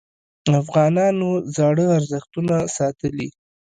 افغانانو زاړه ارزښتونه ساتلي.